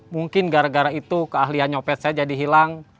mungkin gara gara itu keahlian nyopet saya jadi hilang